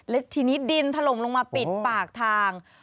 และทีนี้ดินถล่มลงมาปิดปากทาง